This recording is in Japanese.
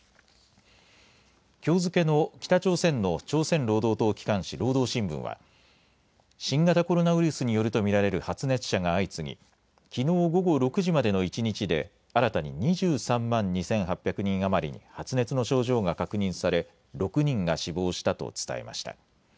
きょう付けの北朝鮮の朝鮮労働党機関紙、労働新聞は、新型コロナウイルスによると見られる発熱者が相次ぎきのう午後６時までの一日で新たに２３万２８００人余りに発熱の症状が確認され６人が死亡したと伝えました。